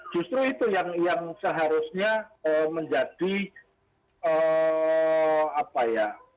justru itu yang seharusnya menjadi apa ya